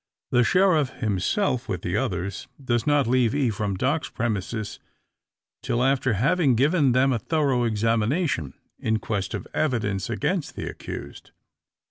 The sheriff himself, with the others, does not leave Ephraim Darke's premises, till after having given them a thorough examination, in quest of evidence against the accused.